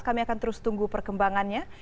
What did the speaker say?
kami akan terus tunggu perkembangannya